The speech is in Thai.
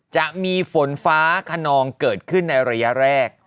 จะมีฝนฟ้าขนองเกิดขึ้นในระยะแรก